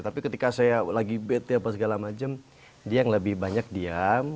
tapi ketika saya lagi bete apa segala macam dia yang lebih banyak diam